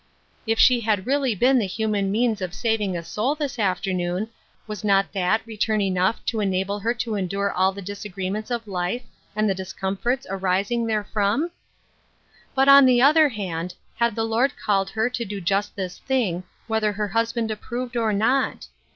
If she had really been the human means of saving a soul this after noon, was not that return enough to enable her to endure all the disagreements of life and the dis comforts arising therefrom ? But, on the other hand, had the Lord called her to do just this thing, whether her husband approved or not